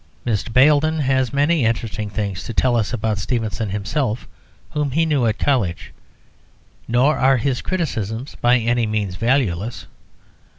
Mr. Baildon has many interesting things to tell us about Stevenson himself, whom he knew at college. Nor are his criticisms by any means valueless.